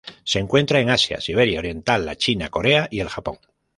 Se encuentran en Asia: Siberia oriental, la China, Corea y el Japón.